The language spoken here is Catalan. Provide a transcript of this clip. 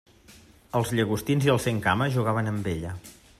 Els llagostins i els centcames jugaven amb ella.